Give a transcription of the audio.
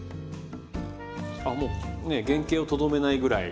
あもうね原形をとどめないぐらい。